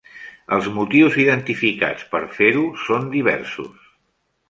Els motius identificats per fer-ho són diversos.